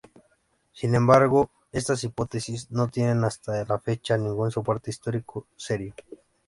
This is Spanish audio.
Sin embargo, estas hipótesis no tienen hasta la fecha ningún soporte histórico serio.